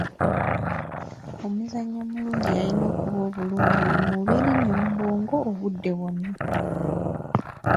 Omuzanyi omulungi yalina okuba obulungi mu mubiri ne mu bwongo obudde bwonna.